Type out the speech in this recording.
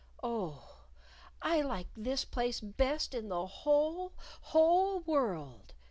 "Oh, I like this place best in the whole, whole world!"